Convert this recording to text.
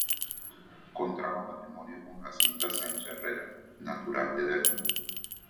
Contrajo matrimonio con Jacinta Sancha y Herrera, natural de Lerma.